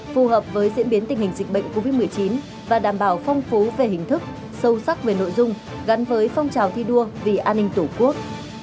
phù hợp với diễn biến tình hình dịch bệnh covid một mươi chín và đảm bảo phong phú về hình thức sâu sắc về nội dung gắn với phong trào thi đua vì an ninh tổ quốc